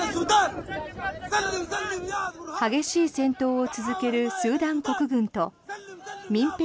激しい戦闘を続けるスーダン国軍と民兵